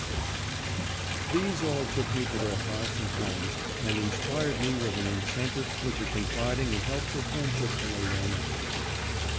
Clark ; these all took me to their hearts and homes, and inspired me with an incentive which a con fiding and helpful friendship can alone impart.